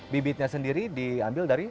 bibitnya sendiri diambil dari